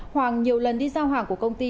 hoàng nhiều lần đi giao hàng của công ty